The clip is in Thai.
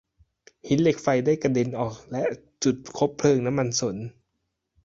หินเหล็กไฟได้กระเด็นออกและจุดคบเพลิงน้ำมันสน